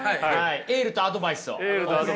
エールとアドバイスを。